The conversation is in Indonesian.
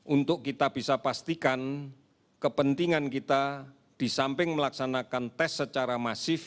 untuk kita bisa pastikan kepentingan kita di samping melaksanakan tes secara masif